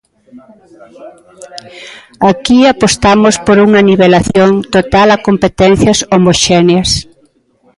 Aquí apostamos por unha nivelación total a competencias homoxéneas.